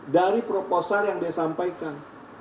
dari proposal yang dia sampaikan